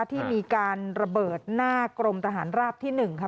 ที่มีการระเบิดหน้ากรมทหารราบที่๑ค่ะ